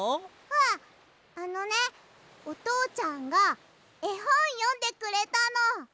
あっあのねおとうちゃんがえほんよんでくれたの。